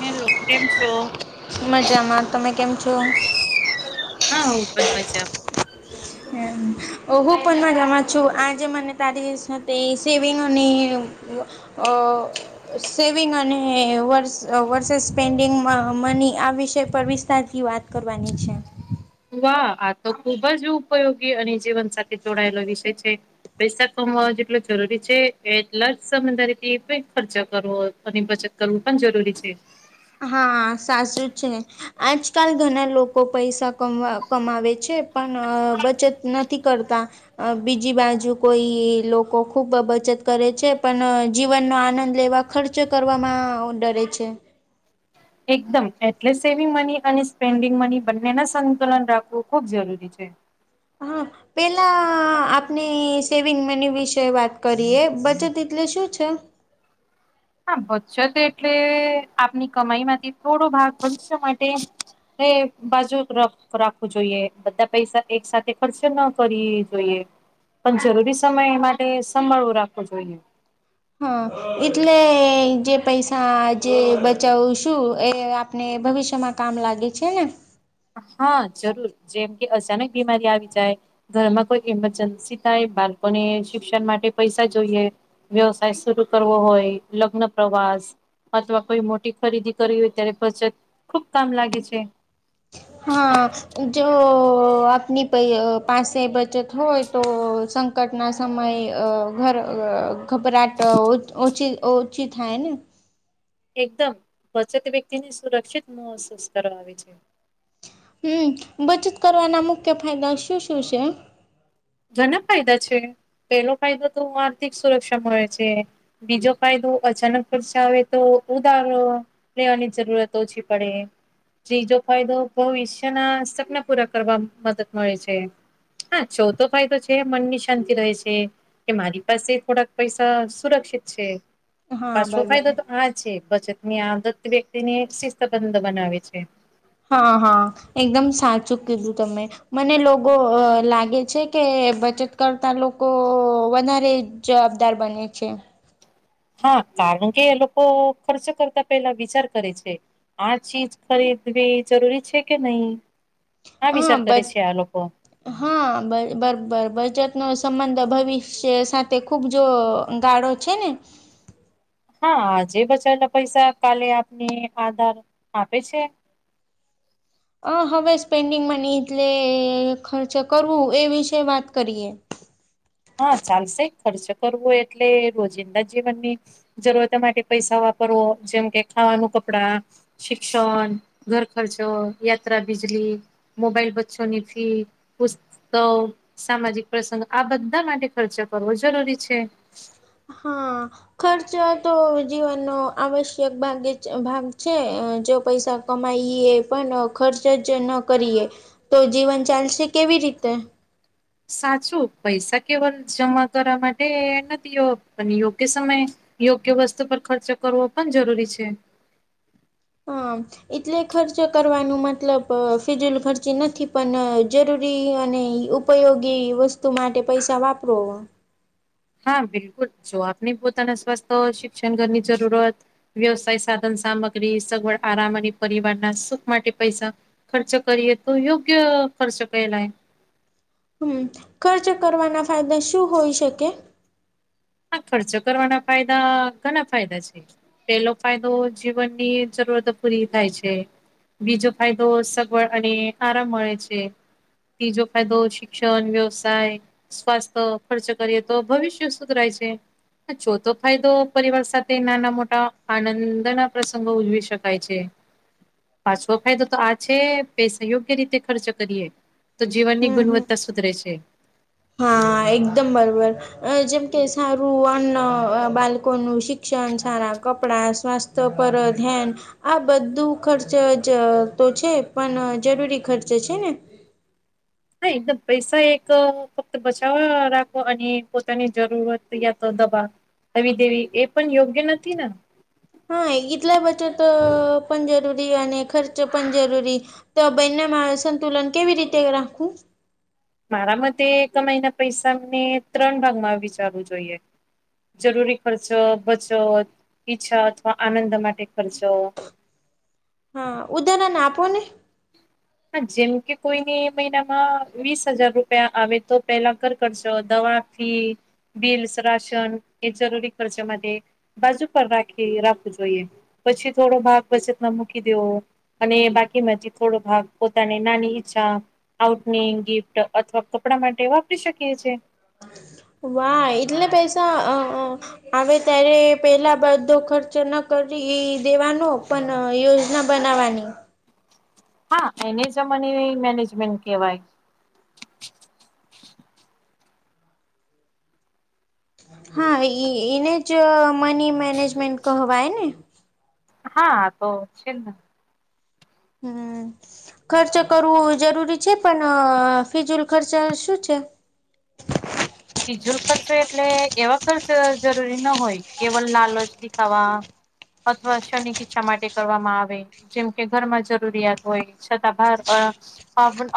Hello, કેમ છો? મજામાં, તમે કેમ છો? હા, હુ પણ મજામાં. હું પણ મજામાં છું આજે મને તારી સાથે સેવિંગ અને અ. સેવિંગ અને વર્સ વર્સેસ સ્પેન્ડિંગમાં મની આ વિષય પર વિસ્તારથી વાત કરવાની છે. વાહ આ તો ખુબ જ ઉપયોગી અને જીવન સાથે જોડાયેલો વિષય છે. પૈસા કમાવા જેટલો જરૂરી છે એટલા જ સમજદારીથી ખર્ચો કરવો અને બચત કરવું પણ જરૂરી છે. હા સાચું છે આજકાલ ઘણા લોકો લોકો પૈસા ક કમાવે છે પણ બચત નથી કરતા અ બીજી બાજુ કોઈ લોકો ખુબ બચત કરે છે પણ જીવનનો આનંદ લેવા ખર્ચો કરવામાં આવુ ડરે છે એકદમ એટલે સેવિંગ મની અને સ્પેન્ડિંગ મની બંનેના સકુલન રાખવું ખુબ જરૂરી છે હા પેલા આપને સેવિંગ મની વિશે વાત કરીએ બચત એટલે શું છે હા વધશે જ એટલે આપની કમાઈ માંથી થોડો ભાગ વધશો માટે હ બાજુ રખ રાખવું જોઈએ બધા પૈસા એક સાથે ખર્ચે ન કર જોઈએ પણ જરૂરી સમય એ માટે સંભળવો રાખવો જોઈએ હા એટલે જે પૈસા જે બચાવું છું એ આપને ભવિષ્યમાં કામ લાગે છે ને હા જરૂર જેમ કે અચાનક બીમારી આવી જાય ઘરમાં કોઈ ઇમરજન્સી થાય બાળકોને શિક્ષણ માટે પૈસા જોઈએ વ્યવસાય શરૂ કરવો હોય લગ્ન પ્રવાસ અથવા કોઈ મોટી ખરીદી કરવી હોય ત્યારે બચત ખુબ કામ લાગે છે હા જો આપની ભાઈ પાસે બચત હોય તો સંકટના સમયે ઘર ઘબરાટ ઓછી ઓછી થાય ને એકદમ બચત વ્યક્તિ ને સુરક્ષિત મોહસૂસ કરવા આવે છે હમ બચત કરવાના મુખ્ય ફાયદા શું શું છે ઘણા ફાયદા છે પેલો ફાયદો તો આર્થિક સુરક્ષા મળે છે બીજો કાયદો અચાનક ખર્ચ આવે તો ઉધારો રહેેવાની જરૂરત ઓછી પડે ત્રીજો ફાયદો ભવિષ્યના સપના પૂરા કરવા મદદ મળે છે હા ચોથો ફાયદો છે મનની શાંતિ રહે છે કે મારી પાસે થોડાક પૈસા સુરક્ષિત છે હા પાછો બરોબર ફાયદો તો આ છે બચત ની આદત વ્યક્તિને એક શિતબંધ બનાવે છે હા હા એકદમ સાચું કીધું તમે મને લોકો લાગે છે કે બચત કરતા લોકો વધારે જવાબદાર બન છે હા કારણ કે લોકો ખર્ચો કરતા પેહલાં વિચાર કરે છે. આ ચીજ ખરીદવી જરૂરી છે કે નહીં આ હા વિચાર બ કરે છે આ લોકો. હા બર બર બર બચતનો સંબંધ ભવિષ્ય સાથે ખુબ જો ગાળો છે ને. હા આજે બચાવેલા પૈસા કાલે આપને આધાર આપે છે. અ હવે સ્પેન્ડિંગમાં મની એટલે ખર્ચ કરવું એ વિશે વાત કરીએ. હા ચાલશે ખર્ચ કરવો એટલે રોજિંદા જીવનની જરૂરત માટે પૈસા વાપરવો જેમ કે ખાવાનું કપડાં. શિક્ષણ, ઘરખર્ચ, યાત્રા, બિજલી. મોબાઈલ, બચ્ચોની ફી, પુસ્ત, સામાજિક પ્રસંગ, આ બધાં ધા માટે ખર્ચો કરવો જરૂરી છે. હા. ખર્ચ તો જીવનનો આવશ્યક ભાગે ભાગ છે અ જો પૈસા કમાઈએ પણ ખર્ચ જ ન કરીએ તો જીવન ચાલશે કેવી રીતે? સાચું પૈસા કેવલ જમા કરવા માટે નથી પણ યોગ્ય સમયે યોગ્ય વસ્તુ પર ખર્ચો કરવો પણ જરૂરી છે. હ. એટલે ખર્ચ કરવાનું મતલબ ફિજુલ ખર્ચી નથી પણ જરૂરી અને ઉપયોગી વસ્તુ માટે પૈસા વાપરો. હા બિલકુલ જો આપને પોતાનાં સ્વાસ્થ, શિક્ષણ ઘરની જરૂરત વ્યવસાય, સાધન સામગ્રી, સગવડ, આરામ અને પરિવારના સુખ માટે પૈસા ખર્ચ કરીએ તો યોગ્ય ખર્ચ કેહેલાય. હમ્મ, ખર્ચ કરવાના ફાયદા શું હોઈ શકે? હા, ખર્ચો કરવાના ફાયદા ઘણાં ફાયદા છે. પેલો ફાયદો જીવનની જરૂરતો પૂરી થાય છે. બીજો ફાયદો સગવડ અને આરામ મળે છે. તીજો કાયદો શિક્ષણ, વ્યવસાય, સ્વાસ્થ્ય, ખર્ચ કરીએ તો ભવિષ્ય સુધરાય છે. ચોથો ફાયદો પરિવાર સાથે નાનાં મોટા આનંદના પ્રસંગો ઉજવી શક કાય છે પાચમો ફાયદો તો આ છે પૈસા યોગ્ય રીતે ખર્ચ કરીએ તો જીવનની હમ હમ ગુણવત્તા સુધરે છે. હા એકદમ બરોબર, અ જેમ કે સારું અન્ન બાલકોનું શિક્ષણ, સારા કપડાં, સ્વાસ્થ્ય પર ધ્યાન આ બધું ખર્ચ જ તો છે પણ જરૂરી ખર્ચ છે ને? હા એકદમ પૈસા એક ફક્ત બચાવવા રાખો અને પોતાની જરૂરત યા તો દબાવ આવી દેવી એ પણ યોગ્ય નથી ને? હા એટલે બચત પણ જરૂરી અને ખર્ચ પણ જરૂરી. તો આ બયનામા સંતુલન કેવી રીતે રાખવું? મારા મતે કમાયના પૈસા અને ત્રણ ભાગમાં વિચારવું જોઈએ. જરૂરી ખર્ચો, બચત, ઈચ્છા અથવા આનંદ માટે ખર્ચો. હા, ઉદાહરણ આપો ને. હા જેમ કે કોઈને એ મહિનામાં વીસ હજાર રૂપિયા આવે તો પેલા કર કરજો દવા ફી, બિલ્સ, રાશન એ જરૂરી ખર્ચા માટે. બાજુ પર રાખી રાખવું જોઈએ. પછી થોડો ભાગ બચતમાં મૂકી દેવો અને બાકી બચ થોડો ભાગ પોતાની નાની ઈચ્છા આઉટનીગ, ગિફ્ટ અથવા કપડાં માટે વાપરી શકીએ છીએ. વાહ એટલે પૈસા અ અ આવે ત્યારે પેલા બધો ખર્ચ ન કરી દેવાનો પણ યોજ ના બનાવાની. હા એને જ મને મેનેજમેન્ટ કેવાય હા એને જ મની મેનેજમેન્ટ કહવાય ને હા તો છે. હમ ખર્ચ કરવું જરૂરી છે પણ ફિઝુલ ખર્ચા શું છે. ફિઝુલ ખર્ચો એટલે એવા ખર્ચ જ જરૂરી ના હોય કેવલ લાલચ દેખાવા અથવા શનીિકઈચ્છા માટે કરવામાં આવે જેમ કે ઘરમાં જરૂરિયાત હોય છતાં બહાર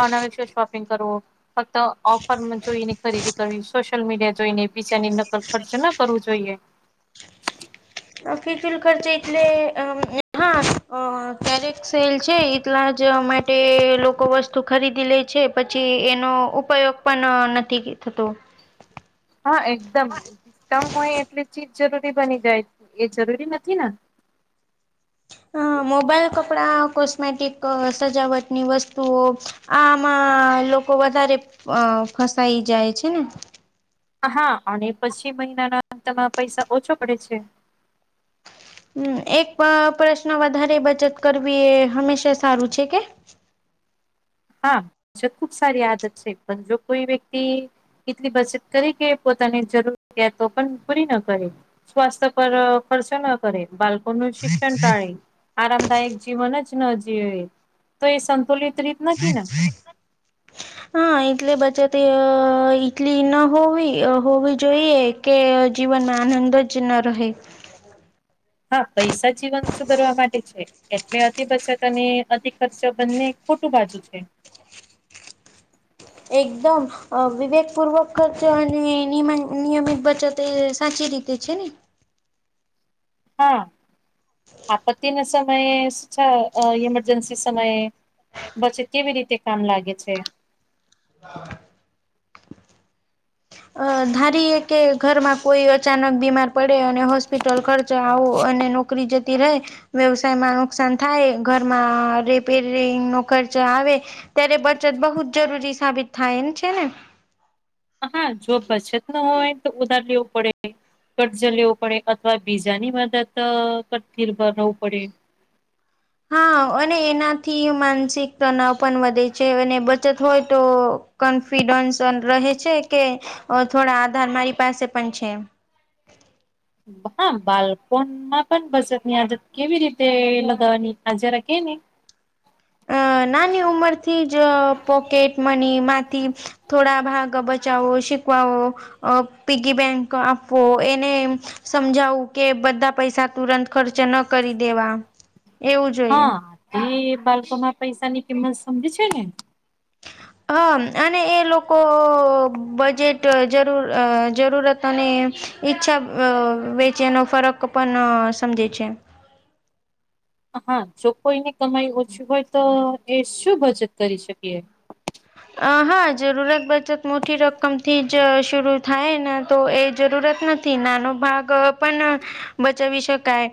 અનાવશ શોપિંગ કરો ફક્ત ઓફન જોઈ ખરીદી સોશિયલ મીડિયા જોઈ ને બીજાની નકલ ખર્ચ ના કરવું જોઈએ. આ ફિઝુલ ખર્ચ એટલે આમ હા આ ક્યારેક સેલ છે એટલા જ અમે તે લોકો વસ્તુ ખરીદી લે છે પછી એનો ઉપયોગ પણ ના નથી થતો. હા એકદમ ડિસ્કાઉ હોય એટલે ચીજ જરૂરી બની જાય એ જરૂરી નથી ને અ મોબાઈલ કપડાં કોસ્મેટિક સજાવટની વસ્તુઓ આમાં લોકો વધારે ફસાઈ જાય છે ને હા અને પછી મહિના ના તમા પૈસા ઓછો પડે છે. હમ એક પ્રશ્ન વધારે બચત કરવી એ હંમેશા સારું છે કે હા હ ખૂબ સારી આદત છે પણ જો કોઈ વ્યક્તિ એટલી બચત કરી કે પોતાની જરૂરિયાતો પણ પૂરી ન કરી સ્વાસ્થ્ય પર ખર્ચો ના કરે બાળકો ન શિક્ષણ ટાળે આરામદાયક જીવન જ ન જીવે તો એ સંતુલિત રીતે રાટટ હા એટલે બચત અ ટલી ન હોવી હોવી જોઈએ કે જીવનમાં આનંદો જ ન રહે હા પૈસા જીવન સુધરવા માટે છે એટલે અતિ બચત અને અતિ ખર્ચ બંને ખોટું બાજુ છે એકદમ વિવેકપૂર્વક ખર્ચો અને નિમ નિયમિત બચત સાચી રીતે. તે છે હા આપત્તિના સમયે છ ઇમરજન્સી સમયે. વચે કેવી રીતે કામ લાગે છે હા અ ધારીએ કે ઘરમાં કોઈ અચાનક બીમાર પડે અને હોસ્પિટલ ખર્ચે આવો અને. નોકરી જતી રહે વ્યવસાયમાં નુકસાન થાય ઘરમાં રિપેરિંગ નો ખર્ચ આવે ત્યારે બચત બહુ જ જરૂરી સાબિત થાય છે ને હા જો બચત ન હોય તો ઉધાર લેવું પડે કરટજ લેવું પડે અથવા બીજાની મદદ કરટરભવું પડે હા અને એનાથી માનસિક તનાવ પણ વધે છે અને બચત હોય તો. કોન્ફિડન્સ રહે છે કે થોડા આધાર મારી પાસે પણ છે હા બાળપણમાં પણ બચત ની આદત કેવી રીતે લગાવવાની આજરા કે ને. હ નાની ઉંમર થી જ પોકેટ મનીમાંથી થોડા ભાગ બચાવો. પીગી બેંકો આપવો એને સમજાવું કે બધા પૈસા તુરંત ખર્ચ ન કરી દેવા એવું જોઈએ હા એ બાળકોમાં પૈસાની કિંમત સમજે છે ને હ અને એ લોકો બજેટ જરૂર જરૂરત અને. ઈચ્છા વેચેનો ફરક પણ સમજે છે હા જો કોઈની કમાઈ ઓછી હોય તો એ શું બચત કરી શકીએ અ હા જરૂરત બચત મોટી રકમથી જ શરૂ થાય ને તો એ જરૂરત નથી. થી નાનો ભાગ પણ બચાવી શકાય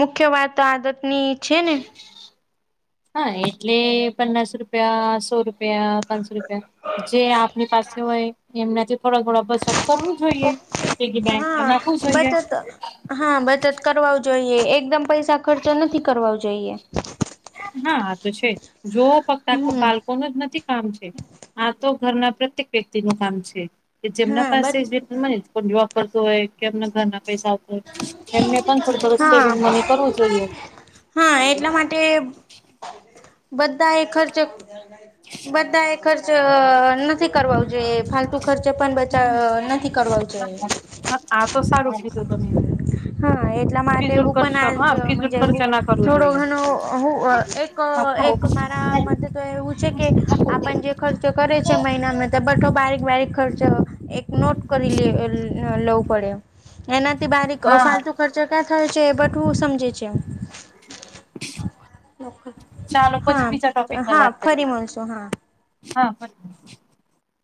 મુખ્ય વાત આદતની છે ને હા એટલે પન્નાસ રૂપિયા સો રૂપિયા પાંચસો રૂપિયા જે આપની પાસે હોય એમનાથી થોડા થોડા [unintelligible] કરવું જોઈએ તેથી હા બેંકમાં નાખવું જોઈએ બચત હા બચત કરવા જોઈએ એકદમ પૈસા ખર્ચા નથી કરવા જોઈએ હા તો છે જો ફક્ત [unintelligible] હમ બાળકો ન જ નથી [unintelligible] આ તો ઘરના પ્રત્યેક વ્યક્તિનું કામ છે કે જેમના હા બ પાસે મને વાપરતું હોય કે એમના ઘરના પૈસા એમને પણ થોડું થોડુંક હા સેવિંગ મને કરવું જોઈએ હા એટલા માટે બધા એ ખર્ચ બધા એ ખર્ચ નથી કરવા જોઈએ ફાલતુ ખર્ચે પણ બચાવ નથી કરવો જો એ હ આ તો સારુ કીધુ તમે હા એટલા માટે ફિઝુલ હું ખર્ચો હા પણ આજ ફિઝુલ ખર્ચો ના [unintelligible] કરવો થોડો જોઈએ. ઘણો હું એક એક મારા મતે તો એવું છે કે આપણ જે ખર્ચો કરે છે મહિનામાં તે બટો બારીક બારીક ખર્ચ એક નોટ કરી લે લેવું પડે એનાથી બારીક હા ફાલતુ ખર્ચો ક્યાં થયો છે એ બધું હું સમજે છે ચાલો હા પછી બીજા ટોપિક પર હા વાત કરીએ ફરી મળશું હા હા બ